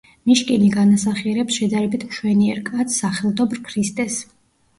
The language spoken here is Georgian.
მიშკინი განასახიერებს „შედარებით მშვენიერ კაცს“, სახელდობრ ქრისტეს.